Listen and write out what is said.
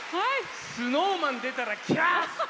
ＳｎｏｗＭａｎ出たらきゃー！